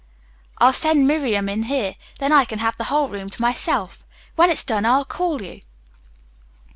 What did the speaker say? I'll send Miriam in here. Then I can have the whole room to myself. When it's done, I'll call you."